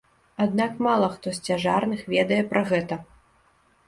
Аднак мала хто з цяжарных ведае пра гэта!